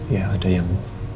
ya ada yang